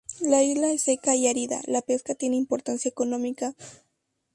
La isla es seca y árida, la pesca tiene importancia económica.